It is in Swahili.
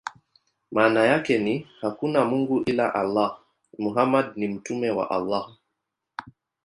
Maana yake ni: "Hakuna mungu ila Allah; Muhammad ni mtume wa Allah".